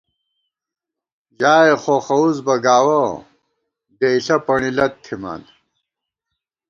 ژائے خوخَوُس بہ گاوَہ، ڈېئیݪہ پݨیلَت تھِمان